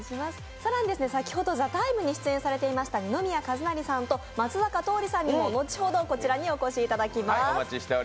更に先ほど、「ＴＨＥＴＩＭＥ，」に出演されていました二宮和也さんと松坂桃李さんには後ほどこちらにお越しいただきます。